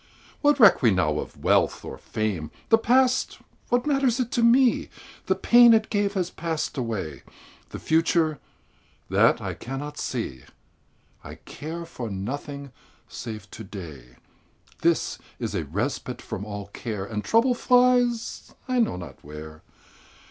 What reck we now of wealth or fame? The past what matters it to me? The pain it gave has passed away. The future that I cannot see! I care for nothing save to day This is a respite from all care, And trouble flies I know not where.